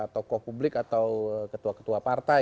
tokoh publik atau ketua ketua partai